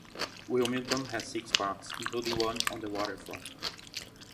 Wilmington has six parks, including one on the waterfront.